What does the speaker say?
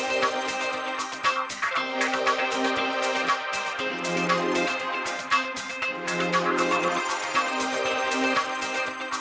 dan pasukan paramiliter